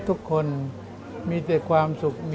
โปรดติดตามต่อไป